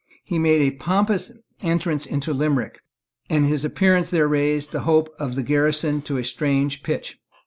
He made a pompous entrance into Limerick; and his appearance there raised the hopes of the garrison to a strange pitch.